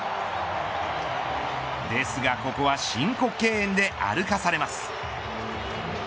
ですが、ここは申告敬遠で歩かされます。